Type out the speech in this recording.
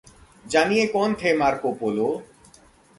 जानिए कौन थे मारको पोलो?